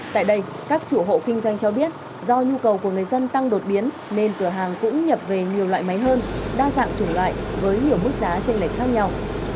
tại đây các chủ hộ kinh doanh cho biết do nhu cầu của người dân tăng đột biến nên cửa hàng cũng nhập về nhiều loại máy hơn đa dạng chủng loại với nhiều mức giá tranh lệch khác nhau